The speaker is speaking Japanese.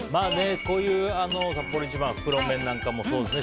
こういうサッポロ一番袋麺なんかもそうですね。